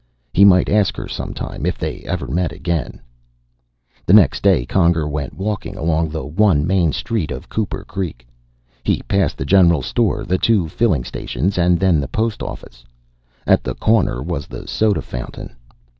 He might ask her sometime, if they ever met again. The next day Conger went walking along the one main street of Cooper Creek. He passed the general store, the two filling stations, and then the post office. At the corner was the soda fountain.